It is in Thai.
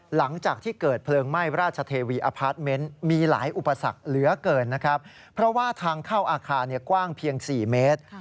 หลังจากที่เกิดเพลิงไหม้ราชเทวีอพาร์ทเมนต์มีหลายอุปสรรคเหลือเกินนะครับเพราะว่าทางเข้าอาคารกว้างเพียง๔เมตร